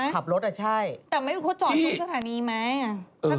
แต่ไม่รู้คนจอดทุกสถานีไหม